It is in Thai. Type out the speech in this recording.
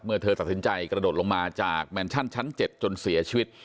เธอตัดสินใจกระโดดลงมาจากแมนชั่นชั้น๗จนเสียชีวิต